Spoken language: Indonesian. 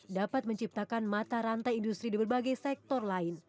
dapat menciptakan mata rantai industri di berbagai sektor lain